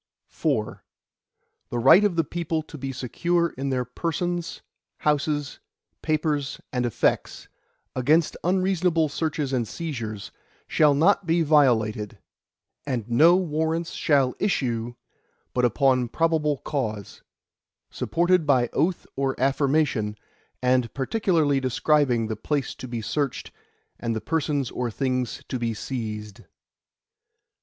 IV The right of the people to be secure in their persons, houses, papers, and effects, against unreasonable searches and seizures, shall not be violated, and no Warrants shall issue, but upon probable cause, supported by oath or affirmation, and particularly describing the place to be searched, and the persons or things to be seized.